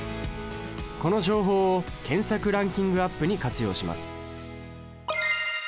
この情報を検索ランキングアップに活用します。